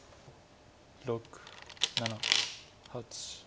６７８９。